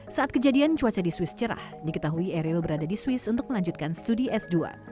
saat kejadian cuaca di swiss cerah diketahui eril berada di swiss untuk melanjutkan studi s dua